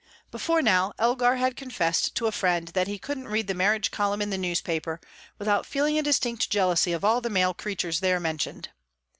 Before now, Elgar had confessed to a friend that he couldn't read the marriage column in a newspaper without feeling a distinct jealousy of all the male creatures there mentioned.